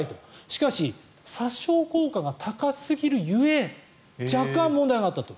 しかし、殺傷能力が高すぎる故若干問題があったと。